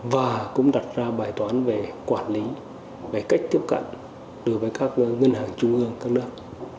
và cũng đặt ra bài toán về quản lý về cách tiếp cận đối với các ngân hàng trung ương các nước